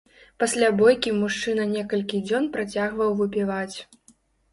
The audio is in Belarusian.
Пасля бойкі мужчына некалькі дзён працягваў выпіваць.